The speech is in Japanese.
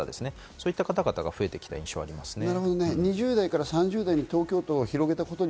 そういった方々が増えてきた印象がありますね。